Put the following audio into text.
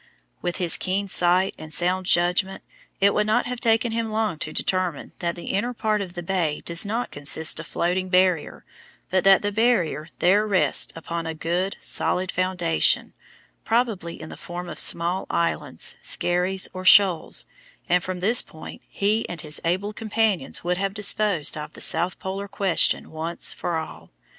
With his keen sight and sound judgment, it would not have taken him long to determine that the inner part of the bay does not consist of floating barrier, but that the Barrier there rests upon a good, solid foundation, probably in the form of small islands, skerries, or shoals, and from this point he and his able companions would have disposed of the South Polar question once for all.